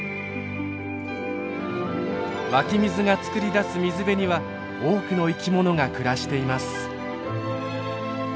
湧き水がつくり出す水辺には多くの生き物が暮らしています。